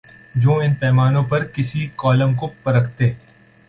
جو ان پیمانوں پر کسی کالم کو پرکھتے